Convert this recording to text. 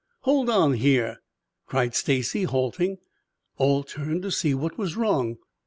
"Hold on here!" cried Stacy, halting. All turned to see what was wrong.